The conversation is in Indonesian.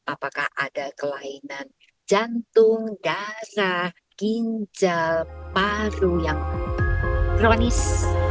apakah ada kelainan jantung darah ginjal paru yang kronis